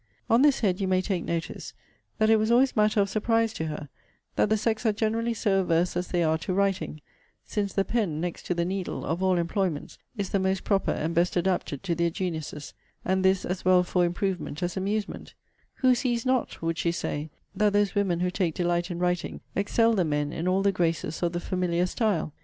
On this head you may take notice, that it was always matter of surprise to her, that the sex are generally so averse as they are to writing; since the pen, next to the needle, of all employments, is the most proper, and best adapted to their geniuses; and this, as well for improvement as amusement: 'Who sees not,' would she say, 'that those women who take delight in writing excel the men in all the graces of the familiar style?